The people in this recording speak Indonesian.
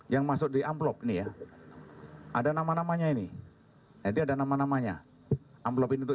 yang masuk di amplop nih ya ada nama namanya ini nanti ada nama namanya amplop ini untuk